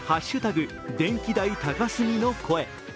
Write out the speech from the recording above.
電気代高すぎの声。